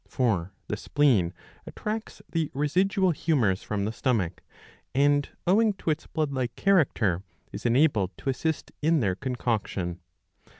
For the spleen attracts the residual humours from the stomach, and owing to its blood like character is enabled to assist in their concoction.